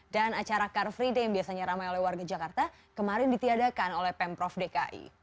dan acara car free day yang biasanya ramai oleh warga jakarta kemarin ditiadakan oleh pemprov dki